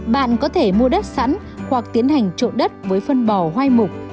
bạn có thể mua đất sẵn hoặc tiến hành trộn đất với phân bò hoai mục